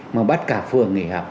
mà bắt cả phường nghỉ học